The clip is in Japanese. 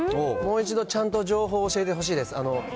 もう一度ちゃんと情報を教えてほしいです。